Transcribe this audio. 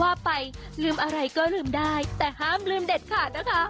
ว่าไปลืมอะไรก็ลืมได้แต่ห้ามลืมเด็ดขาดนะคะ